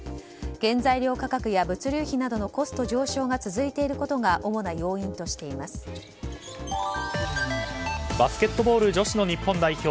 原材料価格や物流費などのコスト上昇が続いていることがバスケットボール女子の日本代表